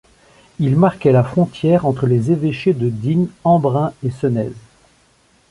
Il marquait la frontière entre les évêchés de Digne, Embrun et Senez.